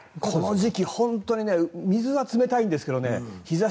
この時期本当に水は冷たいんですが日